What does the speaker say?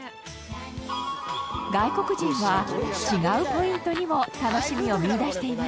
外国人は違うポイントにも楽しみを見いだしていました。